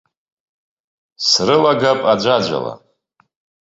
Срылагап аӡәаӡәала.